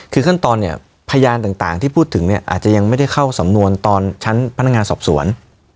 คือขั้นตอนเนี่ยพยานต่างที่พูดถึงเนี่ยอาจจะยังไม่ได้เข้าสำนวนตอนชั้นพนักงานสอบสวน